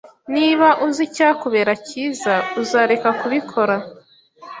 Niba uzi icyakubera cyiza, uzareka kubikora